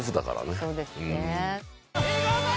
そうですね。